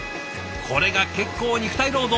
これが結構肉体労働。